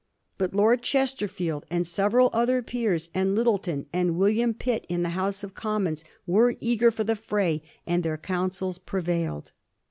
But Lord Chesterfield and several other peers, and Lyttelton and William Pitt in the House of Conmions, were eager for the fray, and their counsels prevailed.